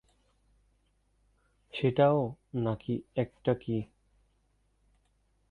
সেটাও নাকি একটা কি?